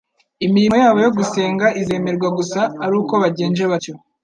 Imirimo yabo yo gusenga izemerwa gusa ari uko bagenje batyo.